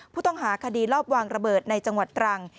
ผู้ต้องหาคดีลอบวางระเบิดในจังหวัดตรัง